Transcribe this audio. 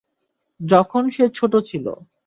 যখন সে ছোট ছিল।